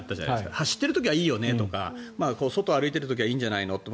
走っている時はいいよねとか外を歩いてる時はいいんじゃないのとか。